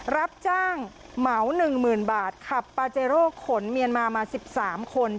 รับจ้างเหมา๑๐๐๐บาทขับปาเจโร่ขนเมียนมามา๑๓คน